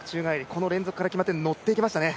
この連続から決まって乗っていきましたね。